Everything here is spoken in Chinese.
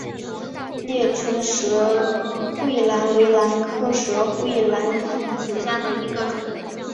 裂唇舌喙兰为兰科舌喙兰属下的一个种。